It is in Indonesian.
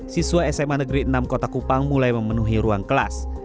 siswa sma negeri enam kota kupang mulai memenuhi ruang kelas